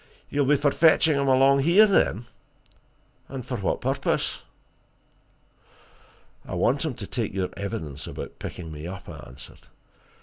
"You'll be for fetching him along here, then? And for what purpose?" "I want him to take your evidence about picking me up," I answered.